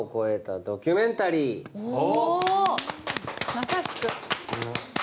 まさしく！